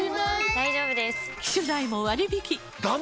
大丈夫です！